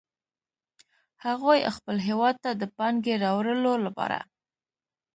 هغوی خپل هیواد ته د پانګې راوړلو لپاره